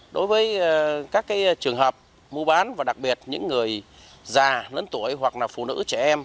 đối với các trường hợp mua bán và đặc biệt những người già lớn tuổi hoặc là phụ nữ trẻ em